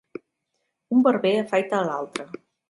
Un barber afaita l'altre.